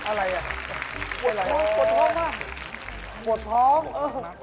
อะไรอ่ะปวดพร้อมมาก